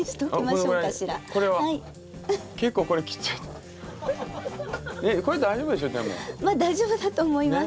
まあ大丈夫だと思います。